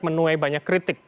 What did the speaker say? menuai banyak kritik